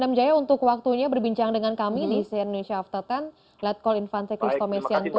pak jaya untuk waktunya berbincang dengan kami di sian indonesia after osc let's call invente christome siangkulit